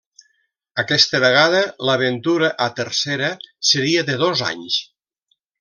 Aquesta vegada l'aventura a Tercera seria de dos anys.